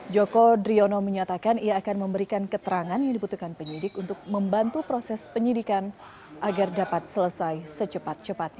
joko driono menyatakan ia akan memberikan keterangan yang dibutuhkan penyidik untuk membantu proses penyidikan agar dapat selesai secepat cepatnya